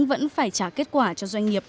vẫn phải trả kết quả cho doanh nghiệp